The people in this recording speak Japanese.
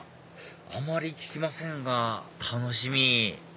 あまり聞きませんが楽しみ！